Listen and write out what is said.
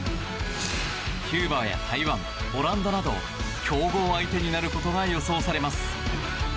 キューバや台湾、オランダなど強豪相手になることが予想されます。